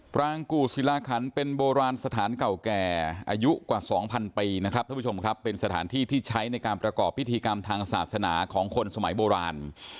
รางกู่ศิลาคันเป็นโบราณสถานเก่าแก่อายุกว่า๒๐๐ปีนะครับท่านผู้ชมครับเป็นสถานที่ที่ใช้ในการประกอบพิธีกรรมทางศาสนาของคนสมัยโบราณ